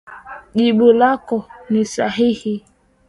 Jibu lako ni sahihi.